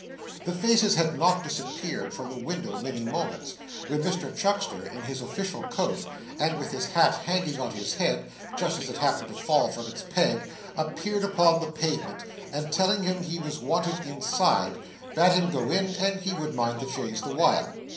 The faces had not disappeared from the window many moments, when Mr Chuckster in his official coat, and with his hat hanging on his head just as it happened to fall from its peg, appeared upon the pavement, and telling him he was wanted inside, bade him go in and he would mind the chaise the while.